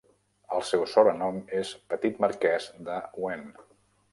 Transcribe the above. El seu sobrenom és "Petit marquès de Wen".